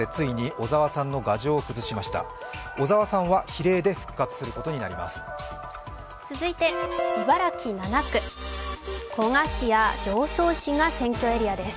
小沢さんは比例で復活することになります。